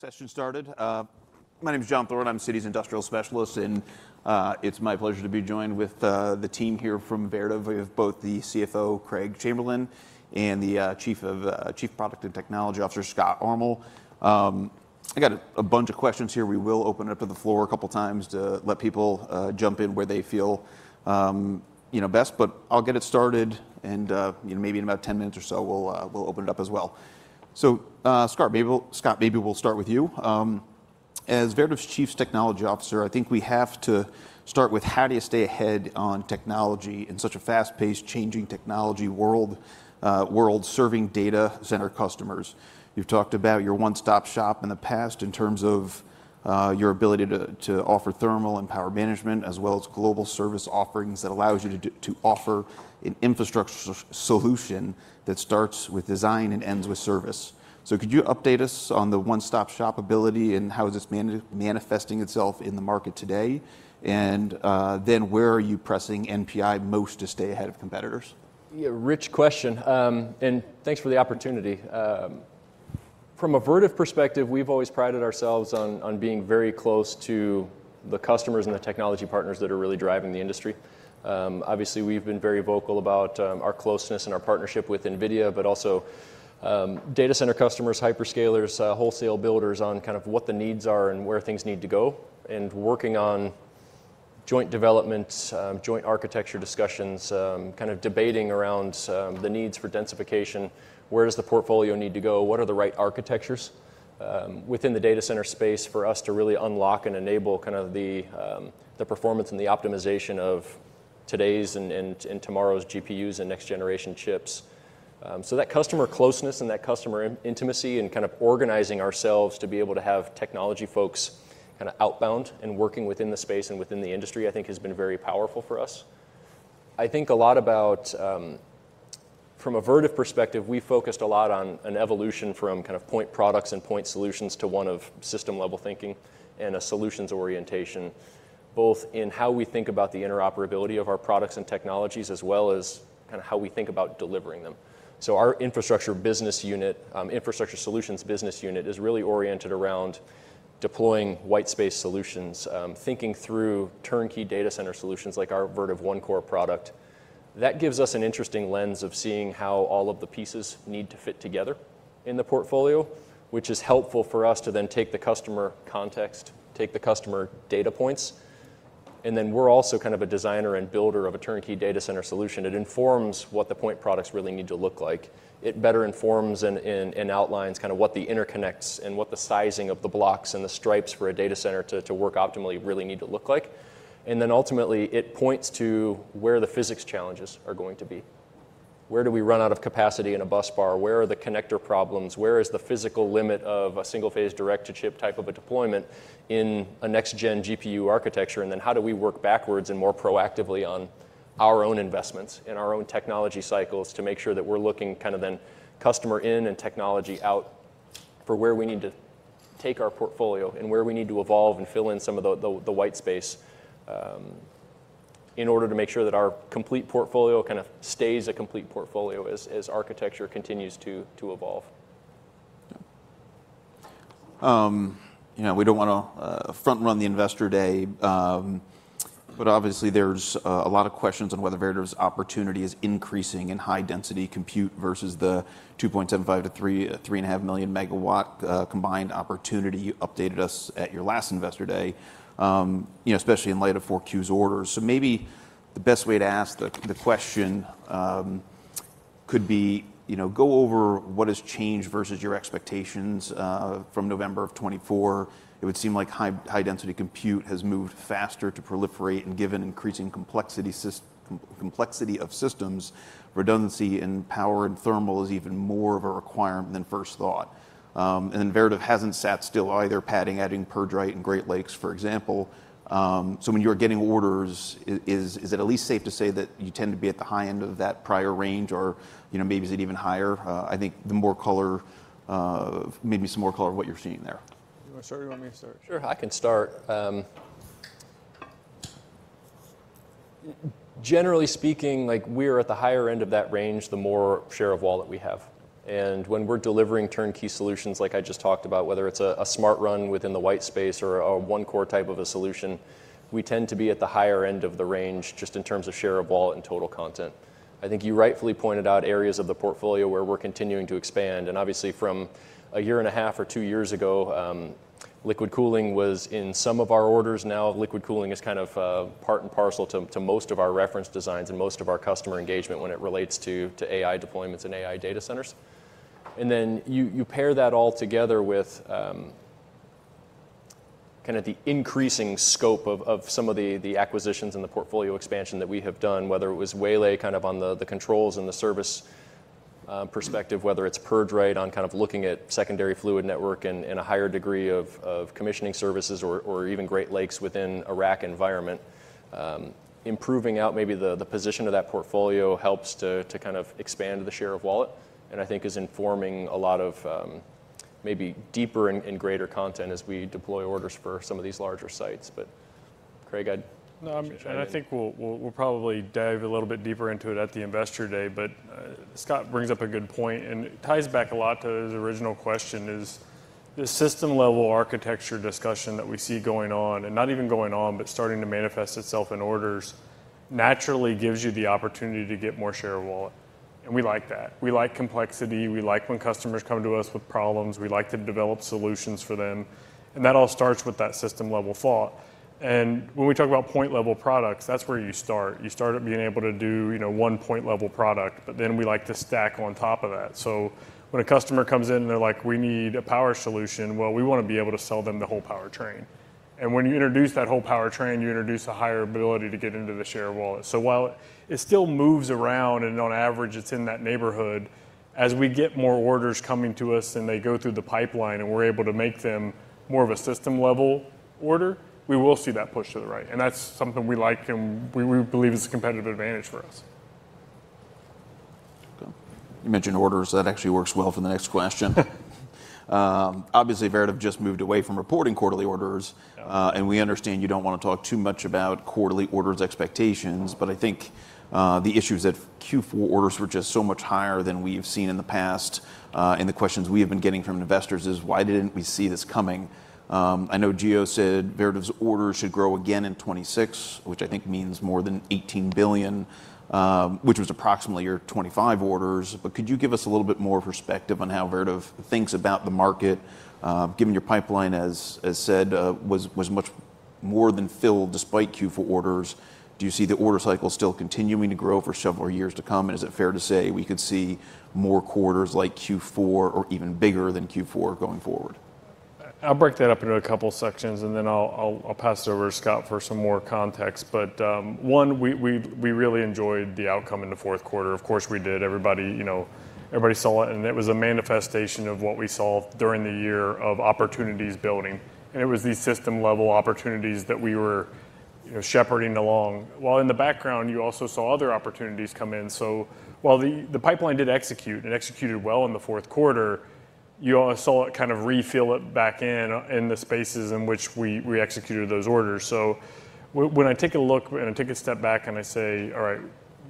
Session started. My name is John Thornton, I'm Citi's Industrial Specialist, and it's my pleasure to be joined with the team here from Vertiv. We have both the CFO, Craig Chamberlin, and the Chief of, Chief Product and Technology Officer, Scott Armul. I got a bunch of questions here. We will open it up to the floor a couple times to let people jump in where they feel, you know, best. But I'll get it started, and you know, maybe in about 10 minutes or so, we'll open it up as well. So, Scott, maybe we'll start with you. As Vertiv's Chief Technology Officer, I think we have to start with: How do you stay ahead on technology in such a fast-paced, changing technology world, serving data center customers? You've talked about your one-stop shop in the past in terms of your ability to offer thermal and power management, as well as global service offerings that allows you to do, to offer an infrastructure solution that starts with design and ends with service. So could you update us on the one-stop-shop ability, and how is this manifesting itself in the market today? And then where are you pressing NPI most to stay ahead of competitors? Yeah, rich question. And thanks for the opportunity. From a Vertiv perspective, we've always prided ourselves on being very close to the customers and the technology partners that are really driving the industry. Obviously, we've been very vocal about our closeness and our partnership with NVIDIA, but also data center customers, hyperscalers, wholesale builders, on kind of what the needs are and where things need to go. And working on joint developments, joint architecture discussions, kind of debating around the needs for densification. Where does the portfolio need to go? What are the right architectures within the data center space for us to really unlock and enable kind of the performance and the optimization of today's and tomorrow's GPUs and next-generation chips? So that customer closeness and that customer intimacy, and kind of organizing ourselves to be able to have technology folks kind of outbound and working within the space and within the industry, I think has been very powerful for us. I think a lot about... From a Vertiv perspective, we focused a lot on an evolution from kind of point products and point solutions to one of system-level thinking and a solutions orientation, both in how we think about the interoperability of our products and technologies, as well as kind of how we think about delivering them. So our infrastructure business unit, infrastructure solutions business unit, is really oriented around deploying white space solutions, thinking through turnkey data center solutions, like our Vertiv OneCore product. That gives us an interesting lens of seeing how all of the pieces need to fit together in the portfolio, which is helpful for us to then take the customer context, take the customer data points, and then we're also kind of a designer and builder of a turnkey data center solution. It informs what the point products really need to look like. It better informs and outlines kind of what the interconnects and what the sizing of the blocks and the stripes for a data center to work optimally really need to look like. And then, ultimately, it points to where the physics challenges are going to be. Where do we run out of capacity in a busbar? Where are the connector problems? Where is the physical limit of a single-phase direct-to-chip type of a deployment in a next-gen GPU architecture? Then how do we work backwards and more proactively on our own investments and our own technology cycles to make sure that we're looking kind of then customer in and technology out for where we need to take our portfolio and where we need to evolve and fill in some of the white space in order to make sure that our complete portfolio kind of stays a complete portfolio as architecture continues to evolve. You know, we don't want to front-run the Investor Day, but obviously, there's a lot of questions on whether Vertiv's opportunity is increasing in high-density compute versus the 2.75-3.5 million megawatt combined opportunity you updated us at your last Investor Day. You know, especially in light of 4Q's orders. So maybe the best way to ask the question could be, you know, go over what has changed versus your expectations from November of 2024. It would seem like high-density compute has moved faster to proliferate, and given increasing complexity of systems, redundancy in power and thermal is even more of a requirement than first thought. And then Vertiv hasn't sat still either, adding PurgeRite and Great Lakes, for example. So when you're getting orders, is it at least safe to say that you tend to be at the high end of that prior range or, you know, maybe is it even higher? I think the more color, maybe some more color on what you're seeing there. You wanna start, or you want me to start? Sure, I can start. Generally speaking, like, we're at the higher end of that range, the more share of wallet we have, and when we're delivering turnkey solutions like I just talked about, whether it's a SmartRun within the white space or a OneCore type of a solution, we tend to be at the higher end of the range, just in terms of share of wallet and total content. I think you rightfully pointed out areas of the portfolio where we're continuing to expand, and obviously, from a year and a half or two years ago, liquid cooling was in some of our orders. Now, liquid cooling is kind of part and parcel to most of our reference designs and most of our customer engagement when it relates to AI deployments and AI data centers. And then you pair that all together with kind of the increasing scope of some of the acquisitions and the portfolio expansion that we have done, whether it was Waylay, kind of on the controls and the service perspective. Whether it's PurgeRite, on kind of looking at secondary fluid network and a higher degree of commissioning services, or even Great Lakes within a rack environment. Improving out maybe the position of that portfolio helps to kind of expand the share of wallet, and I think is informing a lot of maybe deeper and greater content as we deploy orders for some of these larger sites, but, Craig, go ahead. No, I think we'll, we'll, we'll probably dive a little bit deeper into it at the Investor Day. But Scott brings up a good point, and it ties back a lot to his original question, is the system-level architecture discussion that we see going on, and not even going on, but starting to manifest itself in orders, naturally gives you the opportunity to get more share of wallet, and we like that. We like complexity, we like when customers come to us with problems, we like to develop solutions for them, and that all starts with that system-level thought. And when we talk about point-level products, that's where you start. You start at being able to do, you know, one point-level product, but then we like to stack on top of that. So when a customer comes in, and they're like, "We need a power solution," well, we want to be able to sell them the whole powertrain. And when you introduce that whole powertrain, you introduce a higher ability to get into the share of wallet. So while it still moves around, and on average, it's in that neighborhood, as we get more orders coming to us, and they go through the pipeline, and we're able to make them more of a system-level order, we will see that push to the right, and that's something we like, and we, we believe is a competitive advantage for us. You mentioned orders. That actually works well for the next question. Obviously, Vertiv just moved away from reporting quarterly orders- Yeah.... and we understand you don't want to talk too much about quarterly orders expectations. Mm. But I think the issue is that Q4 orders were just so much higher than we've seen in the past, and the questions we have been getting from investors is, Why didn't we see this coming? I know Gio said Vertiv's orders should grow again in 2026, which I think means more than $18 billion, which was approximately your 2025 orders. But could you give us a little bit more perspective on how Vertiv thinks about the market, given your pipeline, as said, was much more than filled, despite Q4 orders? Do you see the order cycle still continuing to grow for several years to come, and is it fair to say we could see more quarters like Q4, or even bigger than Q4, going forward? I'll break that up into a couple sections, and then I'll pass it over to Scott for some more context. But one, we really enjoyed the outcome in the fourth quarter. Of course, we did. Everybody, you know, everybody saw it, and it was a manifestation of what we saw during the year of opportunities building, and it was these system-level opportunities that we were, you know, shepherding along, while in the background, you also saw other opportunities come in. So while the pipeline did execute, and executed well in the fourth quarter, you also saw it kind of refill it back in, in the spaces in which we executed those orders. So when I take a look and I take a step back, and I say, "All right,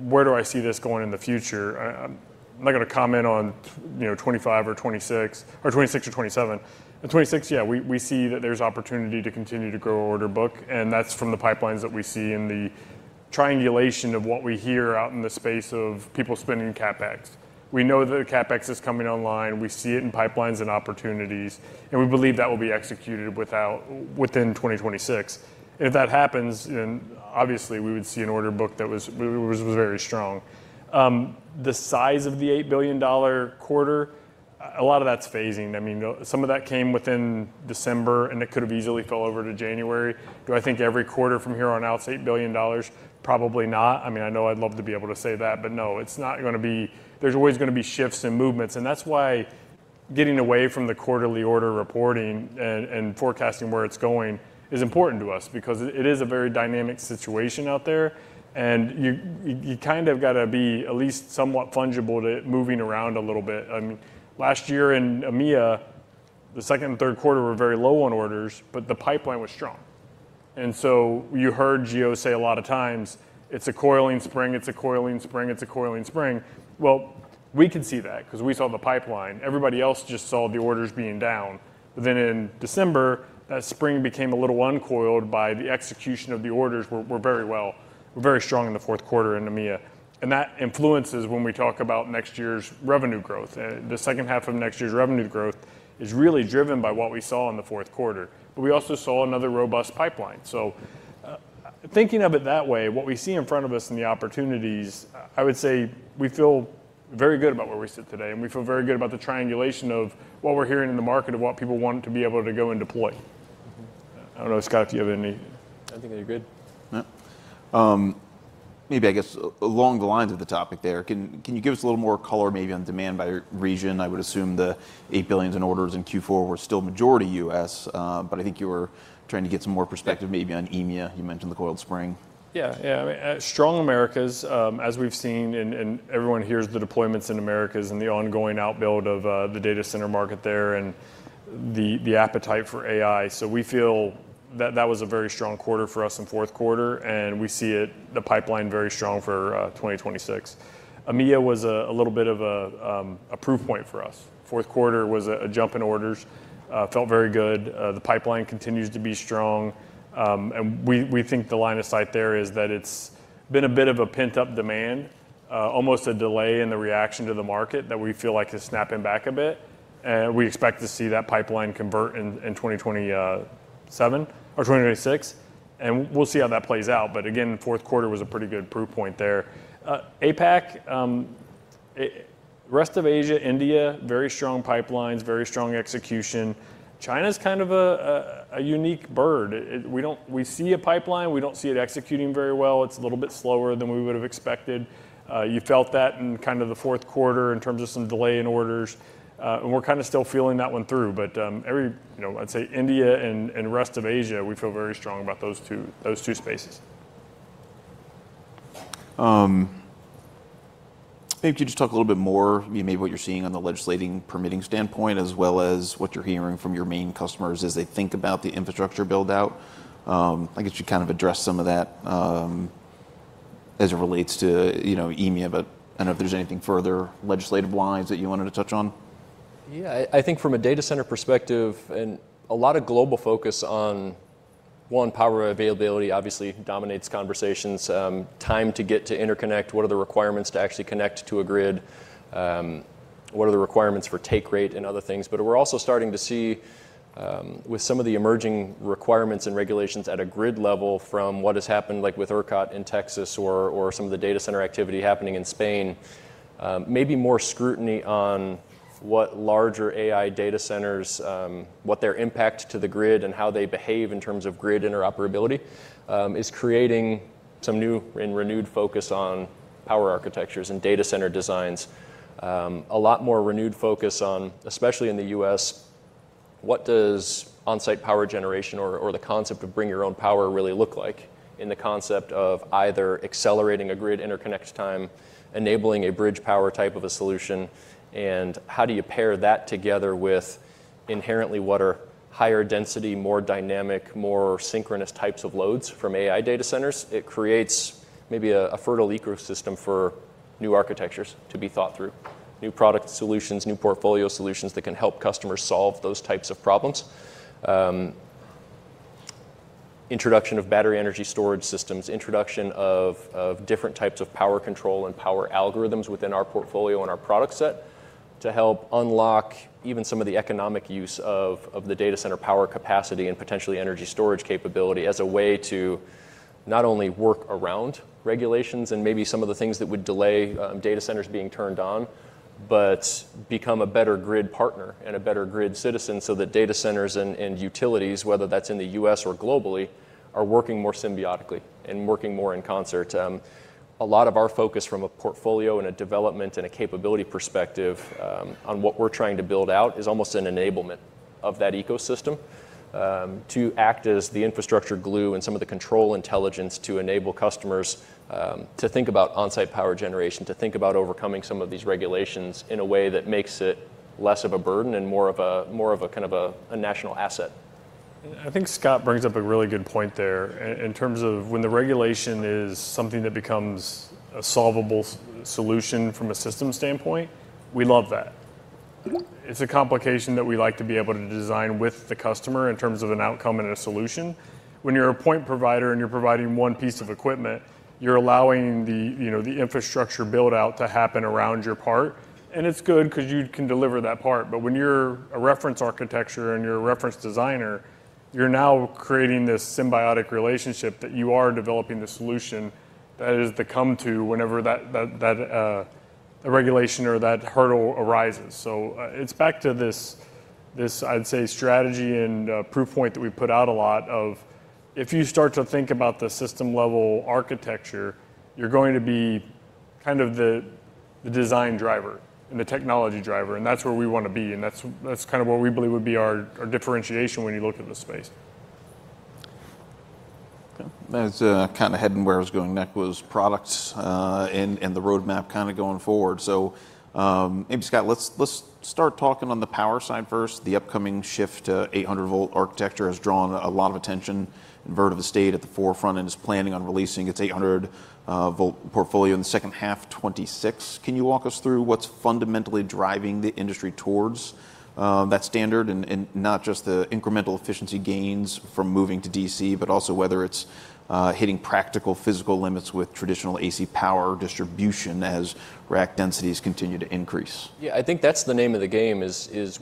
where do I see this going in the future?" I'm not gonna comment on, you know, 2025 or 2026, or 2026 or 2027. In 2026, yeah, we see that there's opportunity to continue to grow order book, and that's from the pipelines that we see and the triangulation of what we hear out in the space of people spending CapEx. We know that the CapEx is coming online. We see it in pipelines and opportunities, and we believe that will be executed without... within 2026. If that happens, then obviously, we would see an order book that was very strong. The size of the $8 billion quarter, a lot of that's phasing. I mean, some of that came within December, and it could've easily fell over to January. Do I think every quarter from here on out's $8 billion? Probably not. I mean, I know I'd love to be able to say that, but no, it's not gonna be... There's always gonna be shifts and movements, and that's why getting away from the quarterly order reporting and forecasting where it's going is important to us because it is a very dynamic situation out there, and you kind of got to be at least somewhat fungible to moving around a little bit. I mean, last year in EMEA, the second and third quarter were very low on orders, but the pipeline was strong. So you heard Gio say a lot of times, "It's a coiling spring, it's a coiling spring, it's a coiling spring." Well, we could see that 'cause we saw the pipeline. Everybody else just saw the orders being down. Then in December, that spring became a little uncoiled by the execution of the orders were very strong in the fourth quarter in EMEA, and that influences when we talk about next year's revenue growth. The second half of next year's revenue growth is really driven by what we saw in the fourth quarter, but we also saw another robust pipeline. So, thinking of it that way, what we see in front of us and the opportunities, I would say we feel very good about where we sit today, and we feel very good about the triangulation of what we're hearing in the market of what people want to be able to go and deploy. Mm-hmm. I don't know, Scott, do you have any...? I think you're good. Yeah. Maybe, I guess, along the lines of the topic there, can you give us a little more color, maybe, on demand by region? I would assume the $8 billion in orders in Q4 were still majority U.S., but I think you were trying to get some more perspective maybe on EMEA. You mentioned the coiled spring. Yeah, yeah. Strong Americas, as we've seen, and everyone hears the deployments in Americas and the ongoing outbuild of the data center market there, and the appetite for AI. So we feel that was a very strong quarter for us in fourth quarter, and we see the pipeline very strong for 2026. EMEA was a little bit of a proof point for us. Fourth quarter was a jump in orders. Felt very good. The pipeline continues to be strong, and we, we think the line of sight there is that it's been a bit of a pent-up demand, almost a delay in the reaction to the market that we feel like is snapping back a bit, and we expect to see that pipeline convert in 2027 or 2026, and we'll see how that plays out. But again, fourth quarter was a pretty good proof point there. APAC, it... Rest of Asia, India, very strong pipelines, very strong execution. China's kind of a unique bird. We see a pipeline. We don't see it executing very well. It's a little bit slower than we would've expected. You felt that in kind of the fourth quarter in terms of some delay in orders, and we're kind of still feeling that one through. But, you know, I'd say India and rest of Asia, we feel very strong about those two, those two spaces. Maybe could you just talk a little bit more, maybe what you're seeing on the legislating permitting standpoint, as well as what you're hearing from your main customers as they think about the infrastructure build-out? I guess you kind of addressed some of that, as it relates to, you know, EMEA, but I don't know if there's anything further legislative-wise that you wanted to touch on? Yeah, I think from a data center perspective, and a lot of global focus on, one, power availability obviously dominates conversations, time to get to interconnect, what are the requirements to actually connect to a grid, what are the requirements for take rate and other things? But we're also starting to see, with some of the emerging requirements and regulations at a grid level from what has happened, like with ERCOT in Texas or some of the data center activity happening in Spain, maybe more scrutiny on what larger AI data centers, what their impact to the grid and how they behave in terms of grid interoperability, is creating some new and renewed focus on power architectures and data center designs. A lot more renewed focus on, especially in the U.S., what does on-site power generation or, or the concept of bring your own power really look like in the concept of either accelerating a grid interconnect time, enabling a bridge power type of a solution, and how do you pair that together with inherently what are higher density, more dynamic, more synchronous types of loads from AI data centers? It creates maybe a, a fertile ecosystem for new architectures to be thought through, new product solutions, new portfolio solutions that can help customers solve those types of problems. Introduction of battery energy storage systems, introduction of different types of power control and power algorithms within our portfolio and our product set to help unlock even some of the economic use of the data center power capacity, and potentially energy storage capability, as a way to not only work around regulations and maybe some of the things that would delay data centers being turned on, but become a better grid partner and a better grid citizen, so that data centers and utilities, whether that's in the U.S. or globally, are working more symbiotically and working more in concert. A lot of our focus from a portfolio, and a development, and a capability perspective, on what we're trying to build out is almost an enablement of that ecosystem, to act as the infrastructure glue and some of the control intelligence to enable customers, to think about on-site power generation, to think about overcoming some of these regulations in a way that makes it less of a burden and more of a, more of a kind of a, national asset. I think Scott brings up a really good point there in terms of when the regulation is something that becomes a solvable solution from a systems standpoint, we love that. It's a complication that we like to be able to design with the customer in terms of an outcome and a solution. When you're a point provider, and you're providing one piece of equipment, you're allowing the, you know, the infrastructure build-out to happen around your part, and it's good 'cause you can deliver that part. But when you're a reference architecture, and you're a reference designer, you're now creating this symbiotic relationship that you are developing the solution that is the go-to whenever the regulation or that hurdle arises. So, it's back to this, I'd say, strategy and proof point that we put out a lot of, if you start to think about the system-level architecture, you're going to be kind of the design driver and the technology driver, and that's where we want to be, and that's kind of what we believe would be our differentiation when you look at the space. Okay. That's kinda heading where I was going next, was products and the roadmap kinda going forward. So, maybe, Scott, let's start talking on the power side first. The upcoming shift to 800-volt architecture has drawn a lot of attention, and Vertiv has stayed at the forefront and is planning on releasing its 800-volt portfolio in the second half 2026. Can you walk us through what's fundamentally driving the industry towards that standard? And not just the incremental efficiency gains from moving to DC, but also whether it's hitting practical physical limits with traditional AC power distribution as rack densities continue to increase. Yeah, I think that's the name of the game is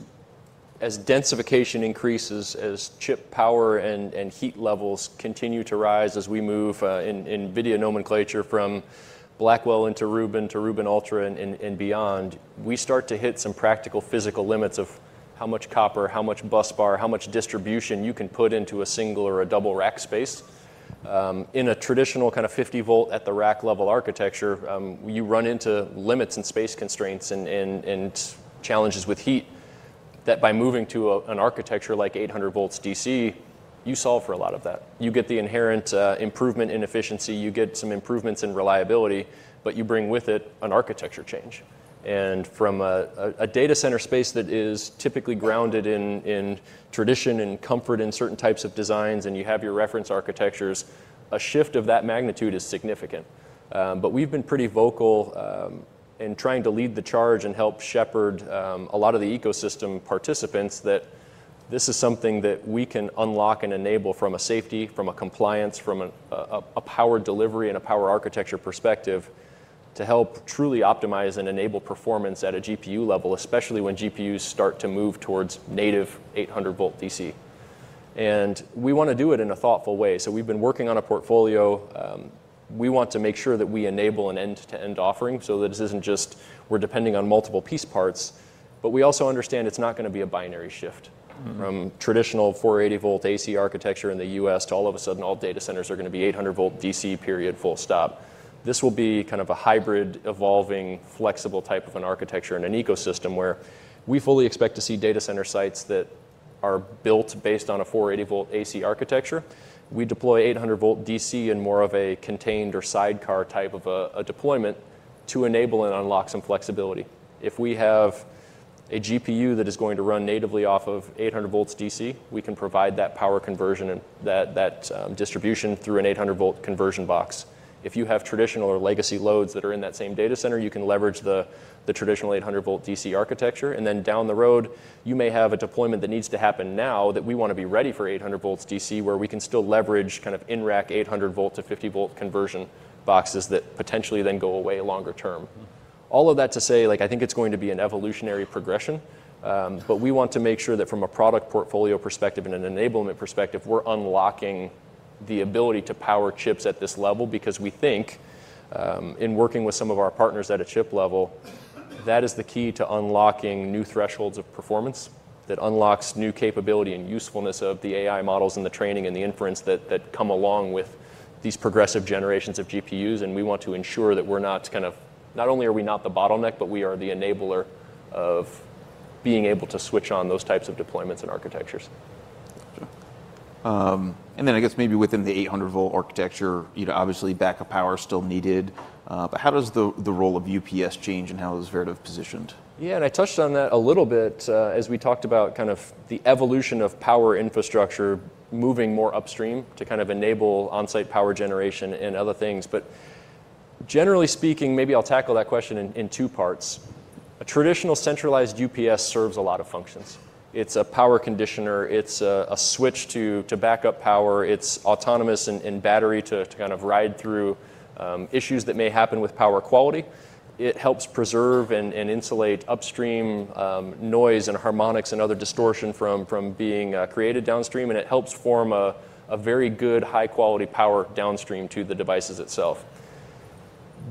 as densification increases, as chip power and heat levels continue to rise, as we move in NVIDIA nomenclature from Blackwell into Rubin, to Rubin Ultra, and beyond, we start to hit some practical physical limits of how much copper, how much busbar, how much distribution you can put into a single or a double rack space. In a traditional kind of 50-volt at the rack level architecture, you run into limits and space constraints, and challenges with heat, that by moving to an architecture like 800 volts DC, you solve for a lot of that. You get the inherent improvement in efficiency, you get some improvements in reliability, but you bring with it an architecture change. And from a data center space that is typically grounded in tradition and comfort in certain types of designs, and you have your reference architectures, a shift of that magnitude is significant. But we've been pretty vocal in trying to lead the charge and help shepherd a lot of the ecosystem participants, that this is something that we can unlock and enable from a safety, from a compliance, from a power delivery, and a power architecture perspective, to help truly optimize and enable performance at a GPU level, especially when GPUs start to move towards native 800-volt DC. And we wanna do it in a thoughtful way, so we've been working on a portfolio. We want to make sure that we enable an end-to-end offering, so this isn't just we're depending on multiple piece parts, but we also understand it's not gonna be a binary shift- Mm-hmm... from traditional 480-volt AC architecture in the US to all of a sudden, all data centers are gonna be 800-volt DC, period, full stop. This will be kind of a hybrid, evolving, flexible type of an architecture and an ecosystem, where we fully expect to see data center sites that are built based on a 480-volt AC architecture. We deploy 800-volt DC in more of a contained or sidecar type of a deployment to enable and unlock some flexibility. If we have a GPU that is going to run natively off of 800 volts DC, we can provide that power conversion and that distribution through an 800-volt conversion box. If you have traditional or legacy loads that are in that same data center, you can leverage the traditional 800-volt DC architecture, and then down the road, you may have a deployment that needs to happen now that we want to be ready for 800 volts DC, where we can still leverage kind of in-rack 800-volt to 50-volt conversion boxes that potentially then go away longer term. All of that to say, like, I think it's going to be an evolutionary progression, but we want to make sure that from a product portfolio perspective and an enablement perspective, we're unlocking the ability to power chips at this level because we think, in working with some of our partners at a chip level, that is the key to unlocking new thresholds of performance, that unlocks new capability and usefulness of the AI models and the training and the inference that, that come along with these progressive generations of GPUs, and we want to ensure that we're not kind of-- not only are we not the bottleneck, but we are the enabler of being able to switch on those types of deployments and architectures. And then I guess maybe within the 800-volt architecture, you know, obviously, backup power is still needed, but how does the role of UPS change, and how is Vertiv positioned? Yeah, and I touched on that a little bit, as we talked about kind of the evolution of power infrastructure moving more upstream to kind of enable on-site power generation and other things. But generally speaking, maybe I'll tackle that question in two parts. A traditional centralized UPS serves a lot of functions. It's a power conditioner, it's a switch to backup power, it's autonomous and battery to kind of ride through issues that may happen with power quality. It helps preserve and insulate upstream noise and harmonics and other distortion from being created downstream, and it helps form a very good, high-quality power downstream to the devices itself.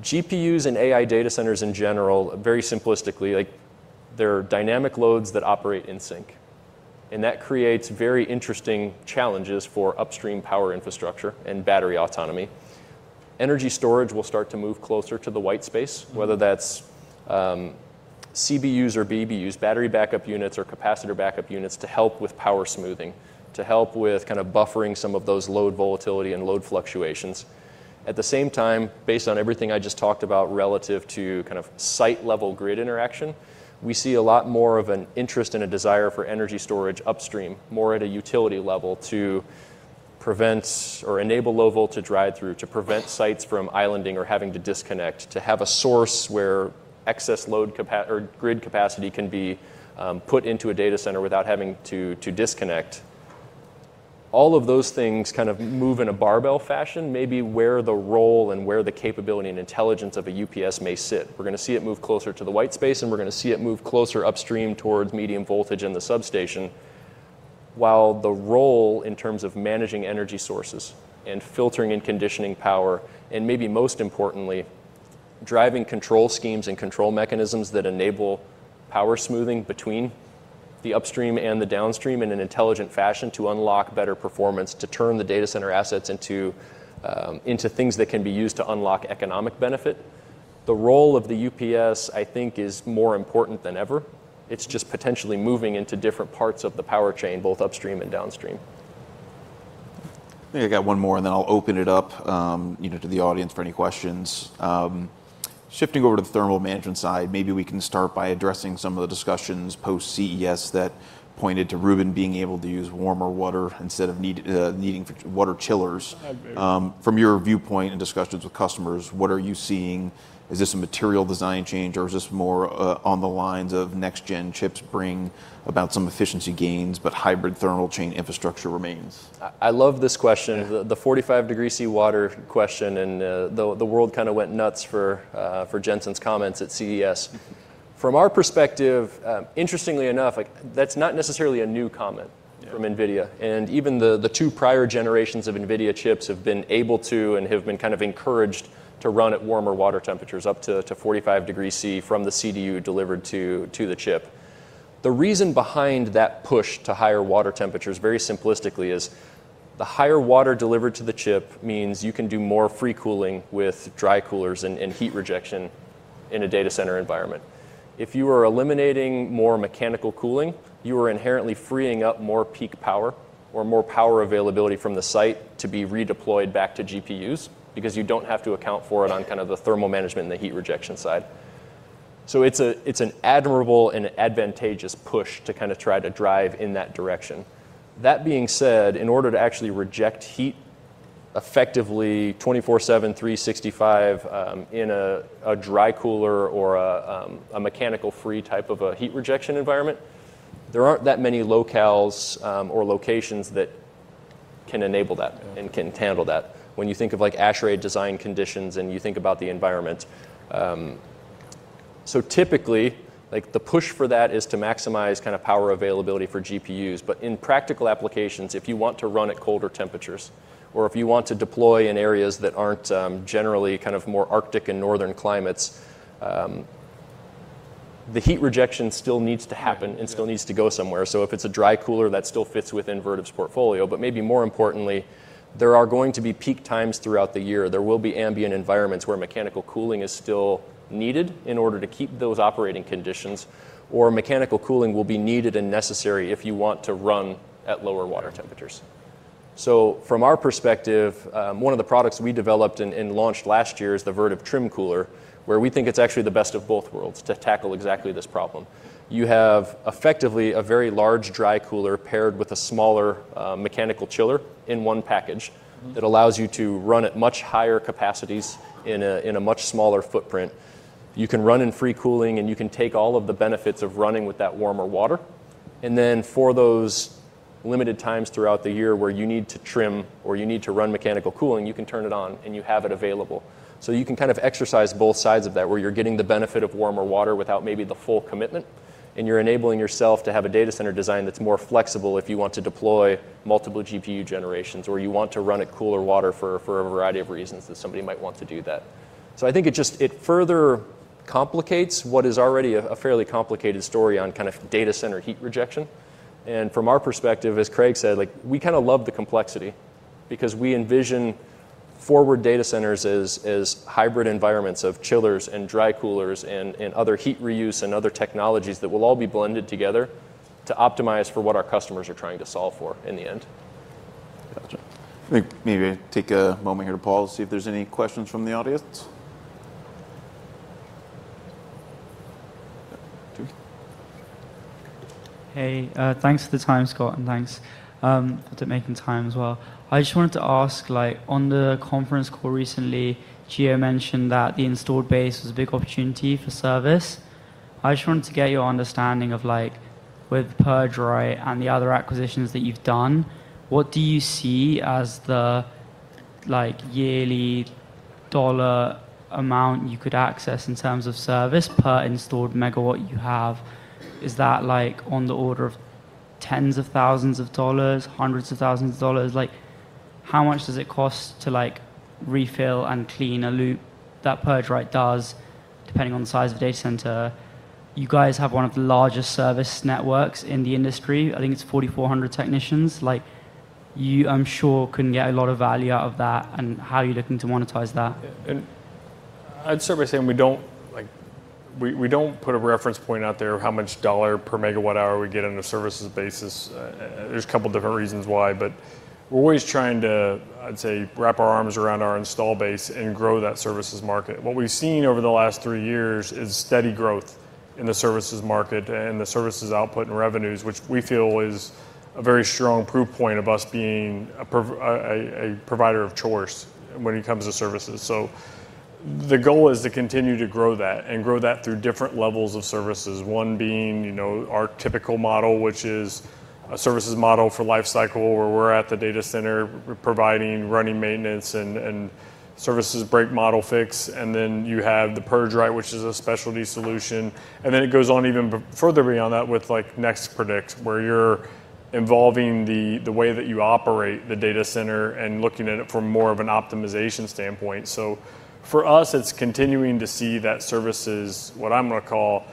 GPUs and AI data centers in general, very simplistically, like, they're dynamic loads that operate in sync, and that creates very interesting challenges for upstream power infrastructure and battery autonomy. Energy storage will start to move closer to the white space- Mm... whether that's CBUs or BBUs, battery backup units or capacitor backup units, to help with power smoothing, to help with kind of buffering some of those load volatility and load fluctuations. At the same time, based on everything I just talked about relative to kind of site-level grid interaction, we see a lot more of an interest and a desire for energy storage upstream, more at a utility level, to prevent or enable low volt ride through, to prevent sites from islanding or having to disconnect, to have a source where excess load or grid capacity can be put into a data center without having to, to disconnect. All of those things kind of move in a barbell fashion, maybe where the role and where the capability and intelligence of a UPS may sit. We're going to see it move closer to the White space, and we're going to see it move closer upstream towards medium voltage in the substation. While the role in terms of managing energy sources and filtering and conditioning power, and maybe most importantly, driving control schemes and control mechanisms that enable power smoothing between the upstream and the downstream in an intelligent fashion to unlock better performance, to turn the data center assets into, into things that can be used to unlock economic benefit, the role of the UPS, I think, is more important than ever. It's just potentially moving into different parts of the power chain, both upstream and downstream. I think I got one more, and then I'll open it up, you know, to the audience for any questions. Shifting over to the thermal management side, maybe we can start by addressing some of the discussions post-CES that pointed to Rubin being able to use warmer water instead of needing for water chillers. Oh, great. From your viewpoint and discussions with customers, what are you seeing? Is this a material design change, or is this more, on the lines of next gen chips bring about some efficiency gains, but hybrid thermal chain infrastructure remains? I love this question. Yeah. The 45-degree C water question, and the world kind of went nuts for Jensen's comments at CES. From our perspective, interestingly enough, like, that's not necessarily a new comment- Yeah.... from NVIDIA, and even the two prior generations of NVIDIA chips have been able to and have been kind of encouraged to run at warmer water temperatures, up to 45 degrees C from the CDU delivered to the chip. The reason behind that push to higher water temperatures, very simplistically, is the higher water delivered to the chip means you can do more free cooling with dry coolers and heat rejection in a data center environment. If you are eliminating more mechanical cooling, you are inherently freeing up more peak power or more power availability from the site to be redeployed back to GPUs because you don't have to account for it on kind of the thermal management and the heat rejection side. So it's an admirable and advantageous push to kind of try to drive in that direction. That being said, in order to actually reject heat effectively, 24/7, 365, in a dry cooler or a mechanical-free type of a heat rejection environment, there aren't that many locales or locations that can enable that- Yeah.... and can handle that when you think of, like, ASHRAE design conditions, and you think about the environment. So typically, like, the push for that is to maximize kind of power availability for GPUs. But in practical applications, if you want to run at colder temperatures or if you want to deploy in areas that aren't, generally kind of more Arctic and northern climates, the heat rejection still needs to happen- Yeah.... and still needs to go somewhere. So if it's a dry cooler, that still fits within Vertiv's portfolio. But maybe more importantly, there are going to be peak times throughout the year. There will be ambient environments where mechanical cooling is still needed in order to keep those operating conditions, or mechanical cooling will be needed and necessary if you want to run at lower water temperatures. So from our perspective, one of the products we developed and launched last year is the Vertiv Trim Cooler, where we think it's actually the best of both worlds to tackle exactly this problem. You have effectively a very large dry cooler paired with a smaller mechanical chiller in one package, that allows you to run at much higher capacities in a much smaller footprint. You can run in free cooling, and you can take all of the benefits of running with that warmer water, and then for those limited times throughout the year where you need to trim or you need to run mechanical cooling, you can turn it on, and you have it available. So you can kind of exercise both sides of that, where you're getting the benefit of warmer water without maybe the full commitment, and you're enabling yourself to have a data center design that's more flexible if you want to deploy multiple GPU generations, or you want to run it cooler water for a variety of reasons that somebody might want to do that. So I think it just further complicates what is already a fairly complicated story on kind of data center heat rejection. From our perspective, as Craig said, like, we kind of love the complexity, because we envision forward data centers as hybrid environments of chillers and dry coolers and other heat reuse and other technologies that will all be blended together to optimize for what our customers are trying to solve for in the end. Gotcha. Let me maybe take a moment here to pause, see if there's any questions from the audience? Hey, thanks for the time, Scott, and thanks to making time as well. I just wanted to ask, like, on the conference call recently, Gio mentioned that the installed base was a big opportunity for service. I just wanted to get your understanding of, like, with PurgeRite and the other acquisitions that you've done, what do you see as the, like, yearly dollar amount you could access in terms of service per installed megawatt you have? Is that, like, on the order of tens of thousands of dollars, hundreds of thousands of dollars? Like, how much does it cost to, like, refill and clean a loop that PurgeRite does, depending on the size of a data center? You guys have one of the largest service networks in the industry. I think it's 4,400 technicians. Like, you, I'm sure, can get a lot of value out of that, and how are you looking to monetize that? I'd start by saying we don't, like, we don't put a reference point out there of how much dollar per megawatt hour we get on a services basis. There's a couple different reasons why, but we're always trying to, I'd say, wrap our arms around our install base and grow that services market. What we've seen over the last three years is steady growth in the services market and the services output and revenues, which we feel is a very strong proof point of us being a provider of choice when it comes to services. So the goal is to continue to grow that and grow that through different levels of services. One being, you know, our typical model, which is a services model for life cycle, where we're at the data center, we're providing running maintenance and, and services, break model fix, and then you have the PurgeRite, which is a specialty solution. And then it goes on even further beyond that with, like, Next Predict, where you're involving the, the way that you operate the data center and looking at it from more of an optimization standpoint. So for us, it's continuing to see that services, what I'm going to call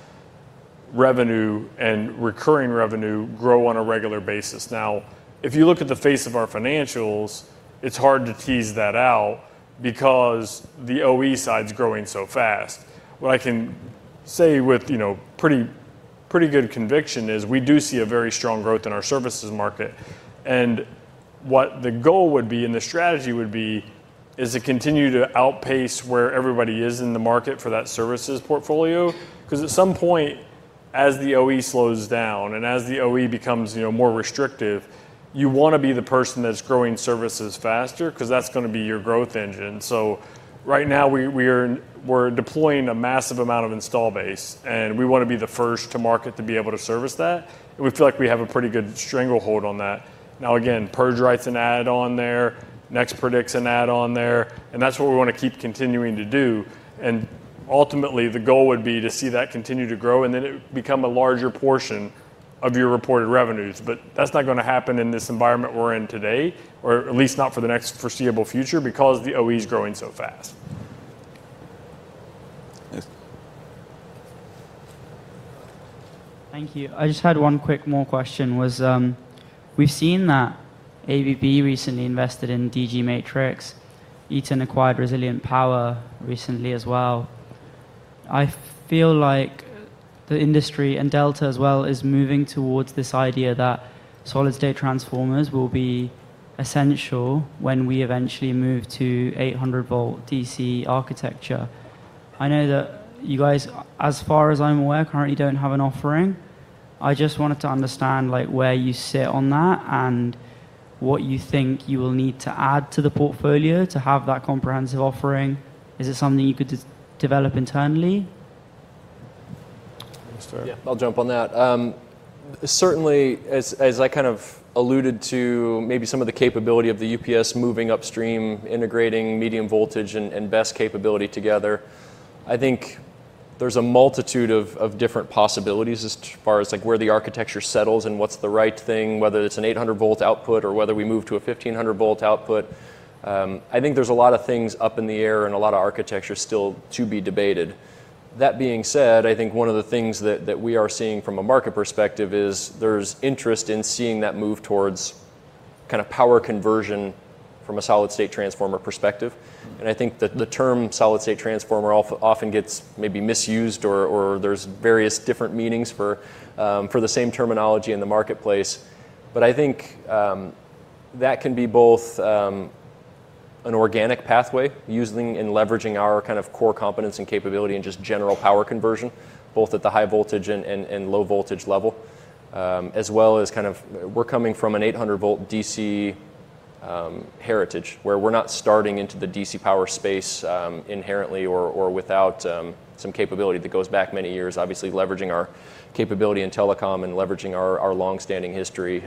revenue and recurring revenue, grow on a regular basis. Now, if you look at the face of our financials, it's hard to tease that out because the OE side's growing so fast. What I can say with, you know, pretty, pretty good conviction is we do see a very strong growth in our services market, and what the goal would be and the strategy would be is to continue to outpace where everybody is in the market for that services portfolio. 'Cause at some point, as the OE slows down and as the OE becomes, you know, more restrictive, you want to be the person that's growing services faster, 'cause that's gonna be your growth engine. So right now, we're deploying a massive amount of install base, and we want to be the first to market to be able to service that. We feel like we have a pretty good stranglehold on that. Now, again, PurgeRite's an add-on there, Next Predict's an add-on there, and that's what we want to keep continuing to do. Ultimately, the goal would be to see that continue to grow, and then it become a larger portion of your reported revenues. But that's not gonna happen in this environment we're in today, or at least not for the next foreseeable future, because the OE is growing so fast. Yes. Thank you. I just had one quick more question, we've seen that ABB recently invested in DG Matrix. Eaton acquired Resilient Power recently as well. I feel like the industry, and Delta as well, is moving towards this idea that solid-state transformers will be essential when we eventually move to 800-volt DC architecture. I know that you guys, as far as I'm aware, currently don't have an offering. I just wanted to understand, like, where you sit on that and what you think you will need to add to the portfolio to have that comprehensive offering. Is it something you could develop internally? Want to start? Yeah, I'll jump on that. Certainly, as I kind of alluded to, maybe some of the capability of the UPS moving upstream, integrating medium voltage and best capability together, I think there's a multitude of different possibilities as far as, like, where the architecture settles and what's the right thing, whether it's an 800-volt output or whether we move to a 1,500-volt output. I think there's a lot of things up in the air and a lot of architecture still to be debated. That being said, I think one of the things that we are seeing from a market perspective is there's interest in seeing that move towards kind of power conversion from a solid-state transformer perspective, and I think that the term solid-state transformer often gets maybe misused or, or there's various different meanings for, for the same terminology in the marketplace. But I think, that can be both, an organic pathway, using and leveraging our kind of core competence and capability in just general power conversion, both at the high voltage and, and, and low voltage level. As well as kind of, we're coming from an 800-volt DC, heritage, where we're not starting into the DC power space, inherently or, or without, some capability that goes back many years. Obviously, leveraging our capability in telecom and leveraging our, our long-standing history,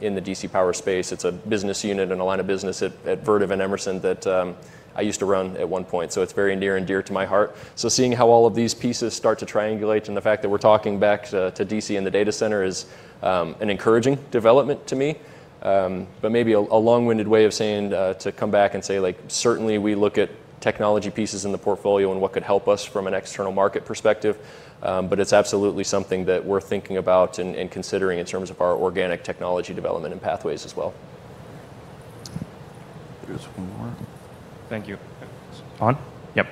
in the DC power space. It's a business unit and a line of business at Vertiv and Emerson that I used to run at one point, so it's very near and dear to my heart. So seeing how all of these pieces start to triangulate and the fact that we're talking back to DC and the data center is an encouraging development to me. But maybe a long-winded way of saying to come back and say, like, certainly we look at technology pieces in the portfolio and what could help us from an external market perspective. But it's absolutely something that we're thinking about and considering in terms of our organic technology development and pathways as well. There's one more. Thank you. Is this on? Yep.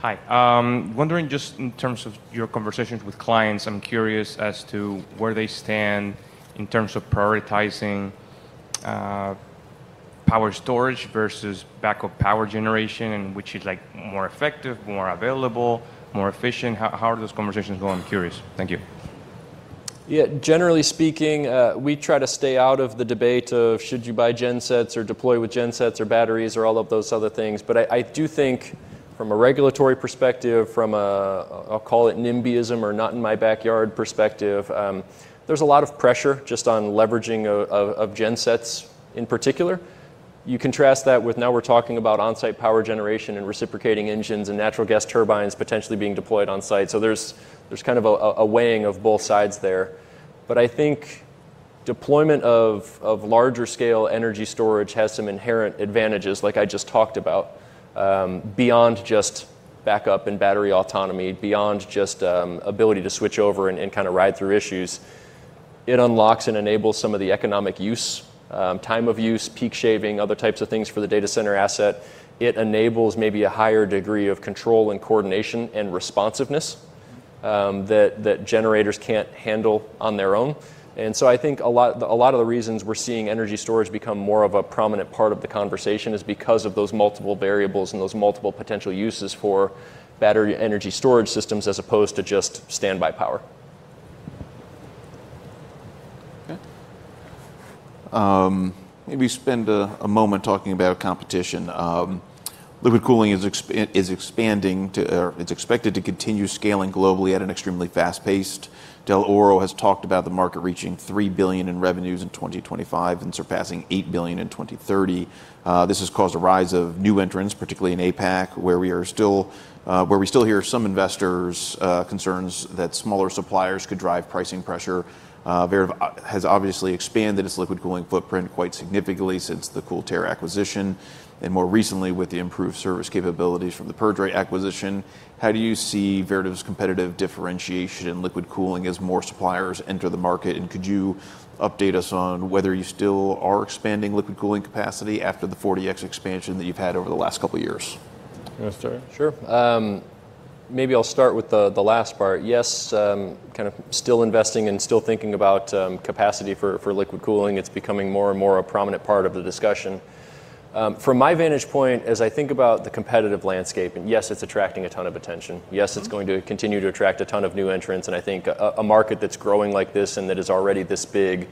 Hi. Wondering just in terms of your conversations with clients, I'm curious as to where they stand in terms of prioritizing, power storage versus backup power generation, and which is, like, more effective, more available, more efficient? How, how are those conversations going? I'm curious. Thank you. Yeah, generally speaking, we try to stay out of the debate of should you buy gensets or deploy with gensets or batteries, or all of those other things. But I, I do think from a regulatory perspective, from a, I'll call it NIMBYism or not in my backyard perspective, there's a lot of pressure just on leveraging of, of, of gensets in particular. You contrast that with now we're talking about on-site power generation and reciprocating engines and natural gas turbines potentially being deployed on site, so there's, there's kind of a, a weighing of both sides there. But I think deployment of, of larger scale energy storage has some inherent advantages, like I just talked about, beyond just backup and battery autonomy, beyond just, ability to switch over and, and kind of ride through issues. It unlocks and enables some of the economic use, time of use, peak shaving, other types of things for the data center asset. It enables maybe a higher degree of control and coordination and responsiveness, that, that generators can't handle on their own. And so I think a lot, a lot of the reasons we're seeing energy storage become more of a prominent part of the conversation is because of those multiple variables and those multiple potential uses for battery energy storage systems, as opposed to just standby power. Okay. Maybe spend a moment talking about competition. Liquid cooling is expanding. Or it's expected to continue scaling globally at an extremely fast pace. Dell'Oro has talked about the market reaching $3 billion in revenues in 2025 and surpassing $8 billion in 2030. This has caused a rise of new entrants, particularly in APAC, where we still hear some investors' concerns that smaller suppliers could drive pricing pressure. Vertiv has obviously expanded its liquid cooling footprint quite significantly since the CoolTera acquisition, and more recently with the improved service capabilities from the PurgeRite acquisition. How do you see Vertiv's competitive differentiation in liquid cooling as more suppliers enter the market? Could you update us on whether you still are expanding liquid cooling capacity after the 40x expansion that you've had over the last couple of years? You wanna start? Sure. Maybe I'll start with the last part. Yes, kind of still investing and still thinking about capacity for liquid cooling. It's becoming more and more a prominent part of the discussion. From my vantage point, as I think about the competitive landscape, and yes, it's attracting a ton of attention. Yes, it's going to continue to attract a ton of new entrants, and I think a market that's growing like this and that is already this big,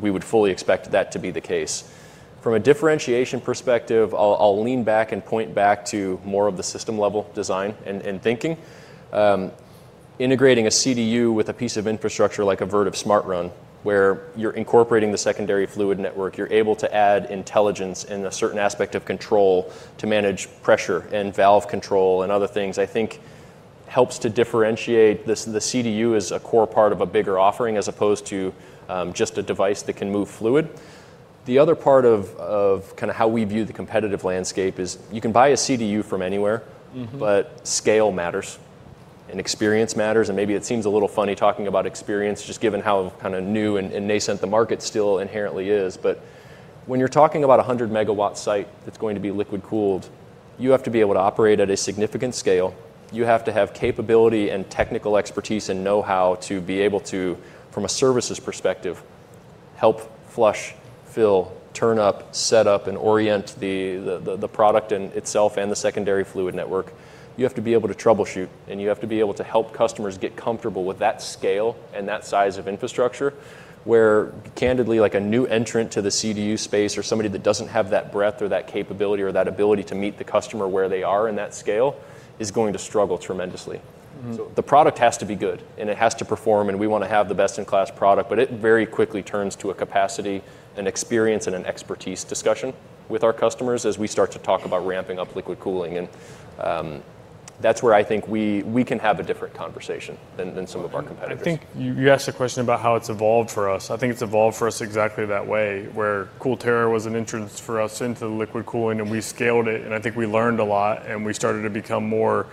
we would fully expect that to be the case. From a differentiation perspective, I'll lean back and point back to more of the system level design and thinking. Integrating a CDU with a piece of infrastructure like a Vertiv SmartRun, where you're incorporating the secondary fluid network, you're able to add intelligence and a certain aspect of control to manage pressure and valve control and other things, I think helps to differentiate this, the CDU as a core part of a bigger offering, as opposed to just a device that can move fluid. The other part of kind of how we view the competitive landscape is you can buy a CDU from anywhere- Mm-hmm.... but scale matters, and experience matters, and maybe it seems a little funny talking about experience, just given how kind of new and, and nascent the market still inherently is. But when you're talking about a 100 MW site that's going to be liquid-cooled, you have to be able to operate at a significant scale. You have to have capability and technical expertise and know-how to be able to, from a services perspective, help flush, fill, turn up, set up, and orient the product in itself and the secondary fluid network. You have to be able to troubleshoot, and you have to be able to help customers get comfortable with that scale and that size of infrastructure, where candidly, like a new entrant to the CDU space or somebody that doesn't have that breadth or that capability or that ability to meet the customer where they are in that scale, is going to struggle tremendously. Mm. So the product has to be good, and it has to perform, and we want to have the best-in-class product, but it very quickly turns to a capacity and experience and an expertise discussion with our customers as we start to talk about ramping up liquid cooling. And, that's where I think we can have a different conversation than some of our competitors. I think you asked a question about how it's evolved for us. I think it's evolved for us exactly that way, where CoolTera was an entrance for us into the liquid cooling, and we scaled it, and I think we learned a lot, and we started to become more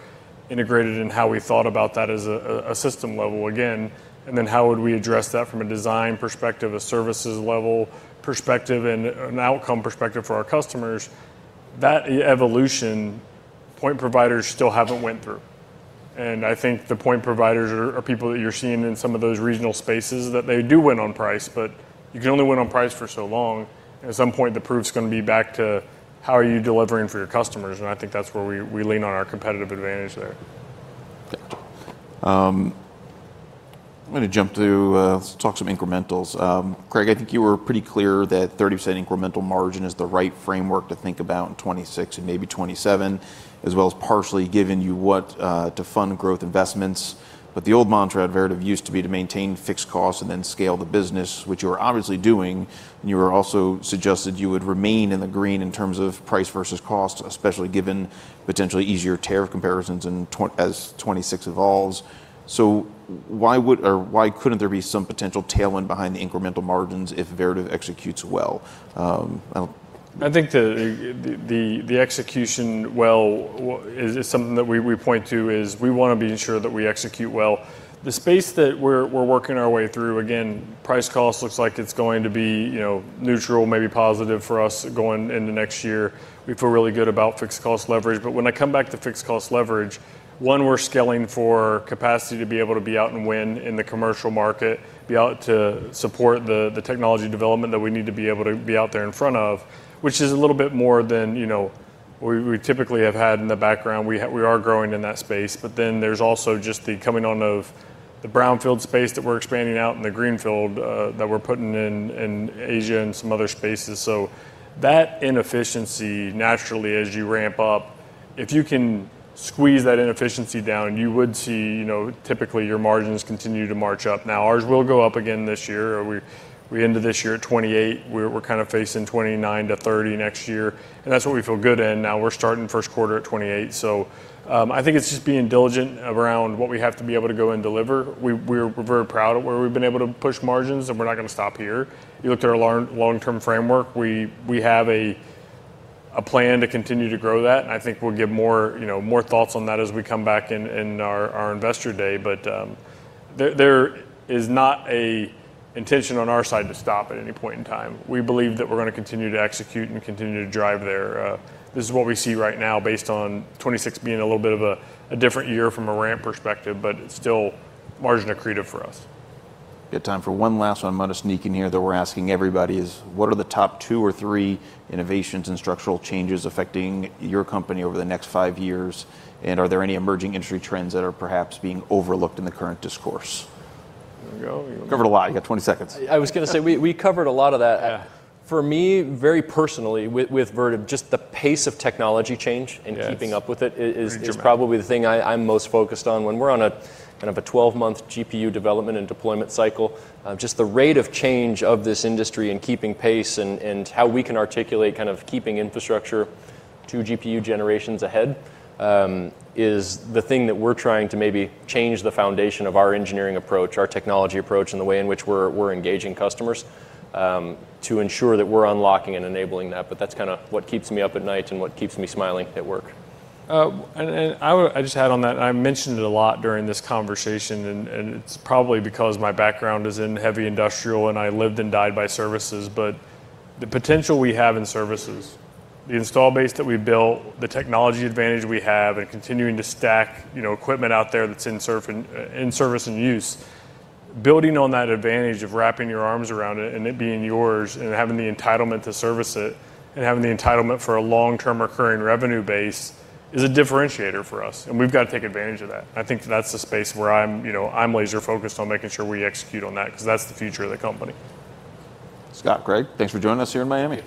integrated in how we thought about that as a system level again. And then, how would we address that from a design perspective, a services level perspective, and an outcome perspective for our customers? That evolution point providers still haven't went through. And I think the point providers are, are people that you're seeing in some of those regional spaces, that they do win on price, but you can only win on price for so long. At some point, the proof's gonna be back to: how are you delivering for your customers? And I think that's where we, we lean on our competitive advantage there. Thank you. I'm gonna jump to, let's talk some incrementals. Craig, I think you were pretty clear that 30% incremental margin is the right framework to think about in 2026 and maybe 2027, as well as partially giving you what to fund growth investments. But the old mantra at Vertiv used to be to maintain fixed costs and then scale the business, which you are obviously doing, and you were also suggested you would remain in the green in terms of price versus cost, especially given potentially easier tariff comparisons as 2026 evolves. So why would or why couldn't there be some potential tailwind behind the incremental margins if Vertiv executes well? I'll- I think the execution, well, is something that we point to. We wanna be sure that we execute well. The space that we're working our way through, again, price cost looks like it's going to be, you know, neutral, maybe positive for us going into next year. We feel really good about fixed cost leverage. But when I come back to fixed cost leverage, one, we're scaling for capacity to be able to be out and win in the commercial market, be out to support the technology development that we need to be able to be out there in front of, which is a little bit more than, you know, we typically have had in the background. We are growing in that space, but then there's also just the coming on of the brownfield space that we're expanding out and the greenfield that we're putting in, in Asia and some other spaces. So that inefficiency, naturally, as you ramp up, if you can squeeze that inefficiency down, you would see, you know, typically, your margins continue to march up. Now, ours will go up again this year. We ended this year at 28%. We're kind of facing 29%-30% next year, and that's what we feel good in. Now we're starting first quarter at 28%. So, I think it's just being diligent around what we have to be able to go and deliver. We're very proud of where we've been able to push margins, and we're not gonna stop here. You look at our long-term framework, we have a plan to continue to grow that, and I think we'll give more, you know, more thoughts on that as we come back in our Investor Day. But there is not an intention on our side to stop at any point in time. We believe that we're gonna continue to execute and continue to drive there. This is what we see right now based on 2026 being a little bit of a different year from a ramp perspective, but still margin accretive for us. Got time for one last one? I'm gonna sneak in here that we're asking everybody: is what are the top two or three innovations and structural changes affecting your company over the next five years? And are there any emerging industry trends that are perhaps being overlooked in the current discourse? Here we go. Covered a lot. You got 20 seconds. I was gonna say, we covered a lot of that. Yeah. For me, very personally, with Vertiv, just the pace of technology change- Yes.... and keeping up with it, Pretty dramatic.... probably the thing I, I'm most focused on. When we're on a kind of a 12-month GPU development and deployment cycle, just the rate of change of this industry and keeping pace and, and how we can articulate kind of keeping infrastructure two GPU generations ahead, is the thing that we're trying to maybe change the foundation of our engineering approach, our technology approach, and the way in which we're, we're engaging customers, to ensure that we're unlocking and enabling that. But that's kinda what keeps me up at night and what keeps me smiling at work. And I would just add on that, and I mentioned it a lot during this conversation, and it's probably because my background is in heavy industrial, and I lived and died by services. But the potential we have in services, the install base that we built, the technology advantage we have, and continuing to stack, you know, equipment out there that's in service and use, building on that advantage of wrapping your arms around it, and it being yours, and having the entitlement to service it, and having the entitlement for a long-term recurring revenue base, is a differentiator for us, and we've got to take advantage of that. I think that's the space where I'm, you know, I'm laser focused on making sure we execute on that, 'cause that's the future of the company. Scott, Craig, thanks for joining us here in Miami.